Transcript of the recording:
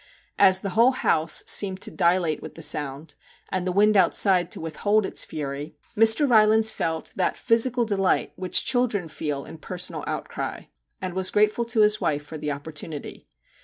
As the whole house seemed to dilate with the MR. JACK HAMLIN'S MEDIATION 47 sound, and the wind outside to withhold its fury, Mr. Ry lands felt that physical delight which children feel in personal outcry, and was grateful to his wife for the opportunity.